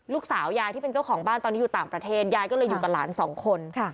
ยายที่เป็นเจ้าของบ้านตอนนี้อยู่ต่างประเทศยายก็เลยอยู่กับหลานสองคน